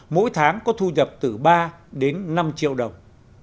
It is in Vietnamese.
mỗi tháng có thu nhập từ ba đến năm triệu đồng